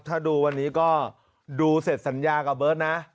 ถ้าดูวันนี้ก็ดูเสร็จสัญญากับเบิร์ตนะ